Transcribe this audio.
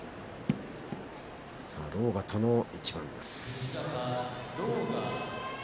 狼雅との一番です。